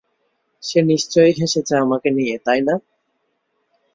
সে নিশ্চয়ই হেসেছে আমাকে নিয়ে তাইনা?